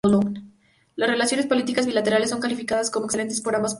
Las relaciones políticas bilaterales son calificadas como excelentes por ambas partes.